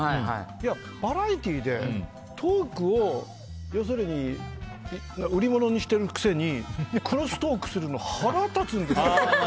でもバラエティーでトークを売り物にしてるくせにクロストークするの腹立つんですよ。